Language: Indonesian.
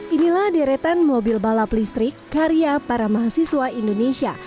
inilah deretan mobil balap listrik karya para mahasiswa indonesia